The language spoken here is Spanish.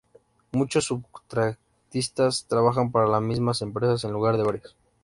Muchos subcontratistas trabajan para las mismas empresas en lugar de varios.